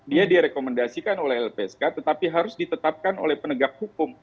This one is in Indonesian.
dia direkomendasikan oleh lpsk tetapi harus ditetapkan oleh penegak hukum